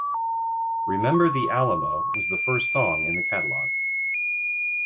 "Remember the Alamo" was the first song in the catalog.